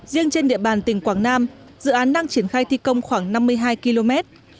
riêng trên địa bàn tỉnh quảng nam dự án đang triển khai thi công khoảng năm mươi hai km